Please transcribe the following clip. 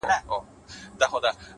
پوهه د شکونو ریښې کمزورې کوي